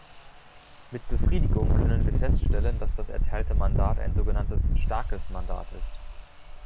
Mit Befriedigung können wir feststellen, dass das erteilte Mandat ein sogenanntes starkes Mandat ist.